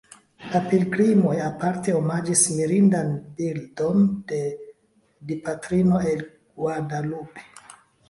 La pilgrimoj aparte omaĝis mirindan bildon de Dipatrino el Guadalupe.